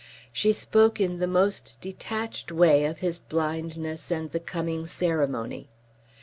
She spoke in the most detached way of his blindness and the coming ceremony.